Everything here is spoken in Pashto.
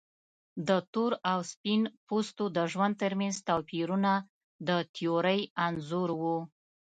د تور او سپین پوستو د ژوند ترمنځ توپیرونه د تیورۍ انځور و.